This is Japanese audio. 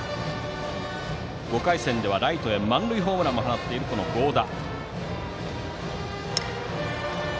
５回戦ではライトへ満塁ホームランも放っている合田。